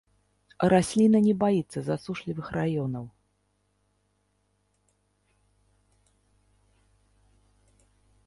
Расліна не баіцца засушлівых раёнаў.